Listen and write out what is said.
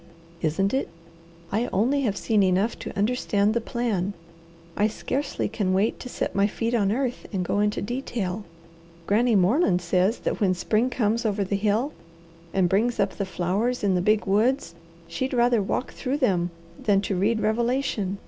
"Isn't it? I only have seen enough to understand the plan. I scarcely can wait to set my feet on earth and go into detail. Granny Moreland says that when spring comes over the hill, and brings up the flowers in the big woods, she'd rather walk through them than to read Revelation.